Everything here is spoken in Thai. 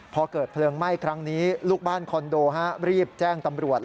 พอเกิดเพลิงไหม้ครั้งนี้ลูกบ้านคอนโดรีบแจ้งตำรวจ